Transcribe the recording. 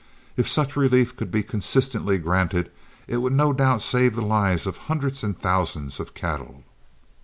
If such relief could be consistently granted, it would no doubt save the lives of hundreds and thousands of cattle.